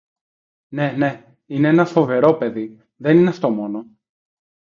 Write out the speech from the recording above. ναι, ναι, είναι ένα φοβερό παιδί... δεν είναι αυτά μόνο.